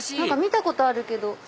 何か見たことあるけど。